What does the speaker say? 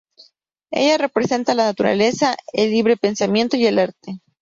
Ella representa la naturaleza, el libre pensamiento y el arte.